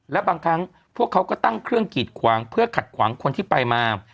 และบางครั้งพวกเขาก็ตั้งเครื่องกีดขวางเพื่อขัดขวางคนที่ไปมา